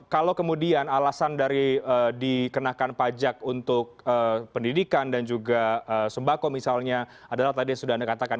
kalau kemudian alasan dari dikenakan pajak untuk pendidikan dan juga sembako misalnya adalah tadi yang sudah anda katakan